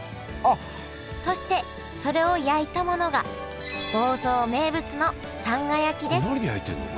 そしてそれを焼いたものが房総名物のこれ何で焼いてんの？